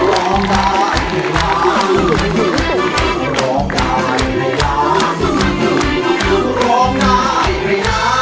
ร้องได้